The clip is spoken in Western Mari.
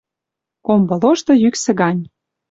Комбы лошты йӱксӹ гань